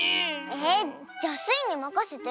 えっじゃスイにまかせて。